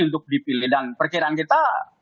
untuk dipilih dan perkiraan kita